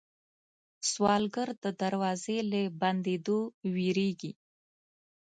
سوالګر د دروازې له بندېدو وېرېږي